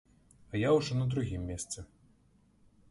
А я ўжо на другім месцы.